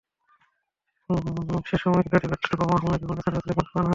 সেময় গাড়িতে পেট্রল বোমা হামলায় বিভিন্ন স্থানে শতাধিক মানুষ প্রাণ হারান।